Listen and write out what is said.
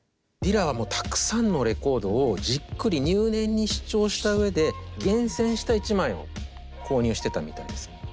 ディラはもうたくさんのレコードをじっくり入念に試聴した上で厳選した一枚を購入してたみたいです。